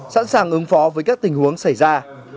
sẵn sàng ứng phó với các tình huống xảy ra